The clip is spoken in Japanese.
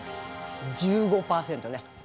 １５％ね。